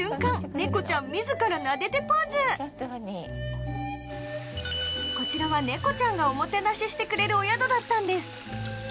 猫ちゃん自らなでてポーズこちらは猫ちゃんがおもてなししてくれるお宿だったんです